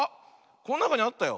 こんなかにあったよ。